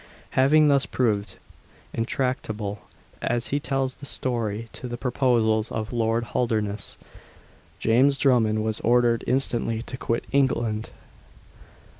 Having thus proved intractable, as he tells the story, to the proposals of Lord Holdernesse, James Drummond was ordered instantly to quit England.